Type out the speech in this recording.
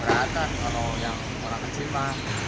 kalau beratan kalau yang orang kecil mah